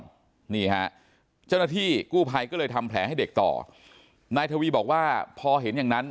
นี่ฮะเจ้าหน้าที่กู้ภัยก็เลยทำแผลให้เด็กต่อนายทวีบอกว่าพอเห็นอย่างนั้น